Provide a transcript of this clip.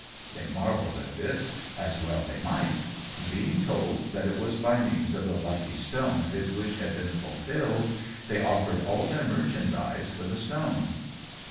They marvelled at this, as well they might; and being told that it was by means of the lucky stone his wish had been fulfilled, they offered all their merchandize for the stone.